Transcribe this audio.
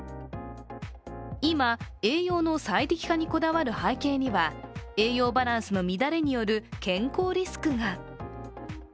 今、栄養の最適化にこだわる背景には、栄養バランスの乱れによる健康リスクが。